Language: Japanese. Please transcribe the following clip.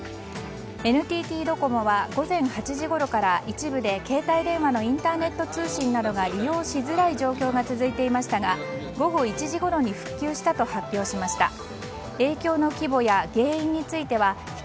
ＮＴＴドコモは午前８時ごろから一部で携帯電話のインターネット通信などが利用しづらい状況が続いていましたが午後１時ごろに復旧したと発表しました。